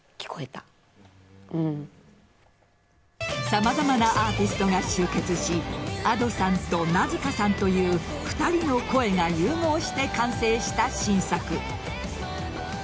様々なアーティストが集結しＡｄｏさんと名塚さんという２人の声が融合して完成した新作。